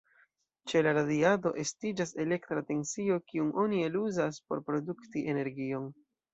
Ĉe la radiado, estiĝas elektra tensio, kiun oni eluzas por produkti energion.